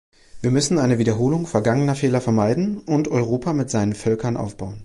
Wir müssen eine Wiederholung vergangener Fehler vermeiden und Europa mit seinen Völkern aufbauen.